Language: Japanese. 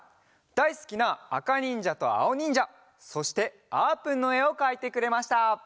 だいすきなあかにんじゃとあおにんじゃそしてあーぷんのえをかいてくれました。